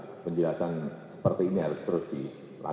saya rasa penjelasan seperti ini harus terus dilakukan